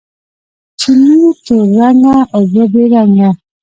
چینې تور رنګه، اوبه بې رنګه